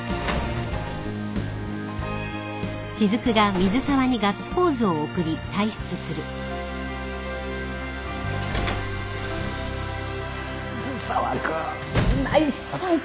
水沢君ナイスファイト！